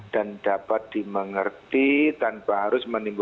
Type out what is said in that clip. dan saat ini